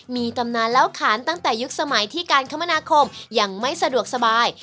มีตำนานเล่าขานตั้งแต่ยุคสมัยที่การคมนาคมยังไม่สะดวกสบาย